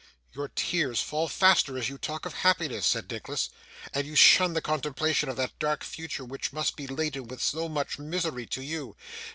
'Your tears fall faster as you talk of happiness,' said Nicholas, 'and you shun the contemplation of that dark future which must be laden with so much misery to you.